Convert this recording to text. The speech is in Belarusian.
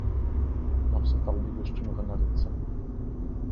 Нам сапраўды ёсць чым ганарыцца.